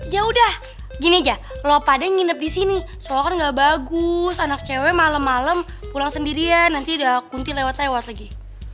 yaudah gini aja lo padahal nginep disini soalnya kan ga bagus anak cewe malem malem pulang sendirian nanti udah kuntil lewat lewat lagi